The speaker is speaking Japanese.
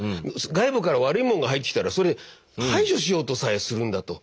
外部から悪いもんが入ってきたらそれ排除しようとさえするんだと。